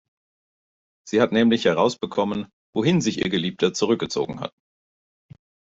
Sie hat nämlich herausbekommen, wohin sich ihr Geliebter zurückgezogen hat.